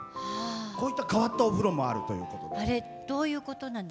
こういった変わったお風呂があるということで。